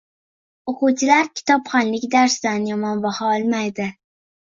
Oʻquvchilar kitobxonlik darsidan yomon baho olmaydi.